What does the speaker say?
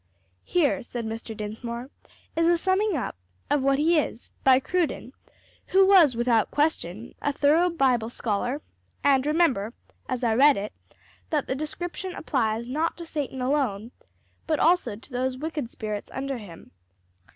"Here," said Mr. Dinsmore, "is a summing up of what he is, by Cruden, who was without question a thorough Bible scholar; and remember, as I read it, that the description applies not to Satan alone, but also to those wicked spirits under him.